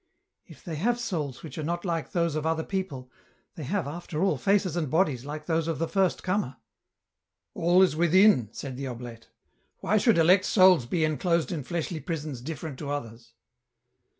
If they have souls which are not like those of other people, they have, after all, faces and bodies like those of the first comer." " All is within," said the oblate. " Why should elect souls be enclosed in fleshly prisons different to others